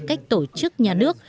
cách tổ chức nhà nước